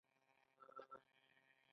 د خیالاتو لپاره کوم بوټي وکاروم؟